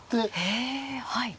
へえはい。